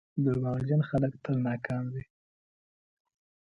• دروغجن خلک تل ناکام وي.